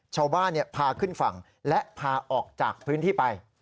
ชาวบ้านพาขึ้นฝั่งและพาออกจากพื้นที่ไป